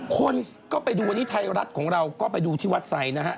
คนก็ไปดูวันนี้ไทยรัฐของเราก็ไปดูที่วัดไซค์นะฮะ